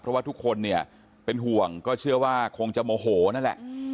เพราะว่าทุกคนเนี่ยเป็นห่วงก็เชื่อว่าคงจะโมโหนั่นแหละ